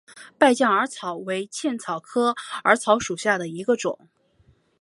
败酱耳草为茜草科耳草属下的一个种。